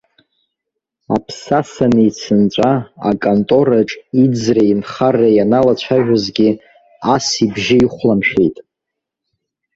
Аԥсаса аницәынҵәа, аконтораҿ иӡреи инхареи ианалацәажәозгьы, ас ибжьы ихәламшәеит.